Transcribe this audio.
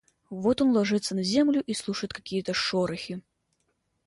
Вот он ложится на землю и слушает какие-то шорохи.